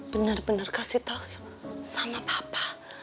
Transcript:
bener bener kasih tahu sama papa